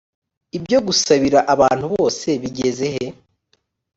ibyo gusabira abantu bose bigezehe